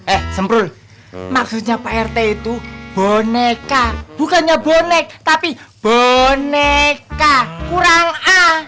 eh semprul maksudnya pak rt itu boneka bukannya bonek tapi boneka kurang a